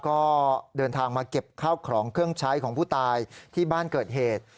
ก็เดินทางมาเก็บข้าวของเครื่องใช้ของผู้ตายที่บ้านเกิดเหตุ